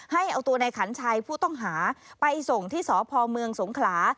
ให้เอาตัวในขันชัยผู้ต้องหาไปส่งที่สพเมืองสงขลา